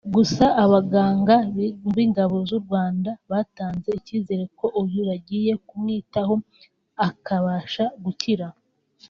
Gusa abaganga b’ ingabo z’ u Rwanda batanze icyizere ko uyu bagiye kumwitaho akabasha gukira